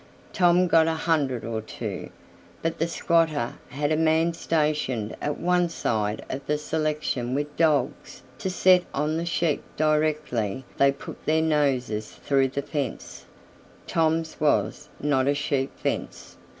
Tom got a hundred or two, but the squatter had a man stationed at one side of the selection with dogs to set on the sheep directly they put their noses through the fence (Tom's was not a sheep fence).